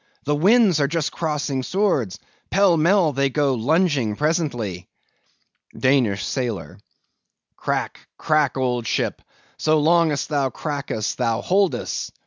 the winds are just crossing swords, pell mell they'll go lunging presently. DANISH SAILOR. Crack, crack, old ship! so long as thou crackest, thou holdest!